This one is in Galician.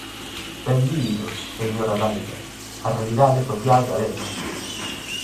¡Benvidos, señora Daira, á realidade social galega!